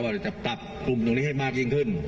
ว่าจะตับปุ่มตรงนี้ให้มากยิ่งขึ้น